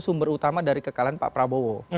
sumber utama dari kekalahan pak prabowo